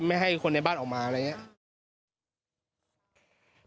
ให้คนในบ้านออกมาอะไรอย่างนี้